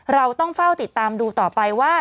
เราต้องเฝ้าติดตามดูต่อไปว่า